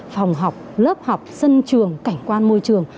phòng học lớp học sân trường cảnh quan môi trường